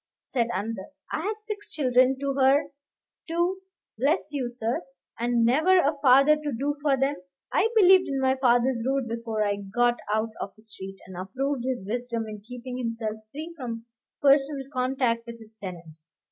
said another; "I've six children to her two, bless you, sir, and ne'er a father to do for them." I believed in my father's rule before I got out of the street, and approved his wisdom in keeping himself free from personal contact with his tenants.